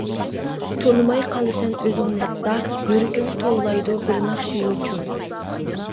تونۇماي قالىسەن ئۆزۈڭنى ھەتتا، يۈرىكىڭ توۋلايدۇ بىر ناخشا يوچۇن.